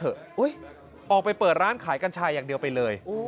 ออกไปเปิดร้านขายกัญชาอย่างเดียวไปเลย